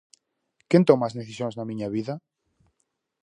Quen toma as decisións na miña vida?